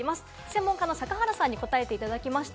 専門家の坂原さんに答えていただきました。